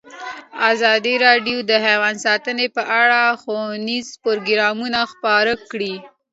ازادي راډیو د حیوان ساتنه په اړه ښوونیز پروګرامونه خپاره کړي.